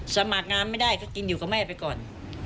สมัครงานไม่ได้ก็กินอยู่กับแม่ไปก่อน